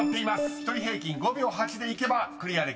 ［１人平均５秒８でいけばクリアできます］